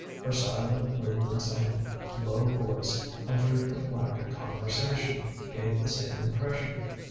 Her silent movements and low voice and frequent lack of conversation gave the same impression.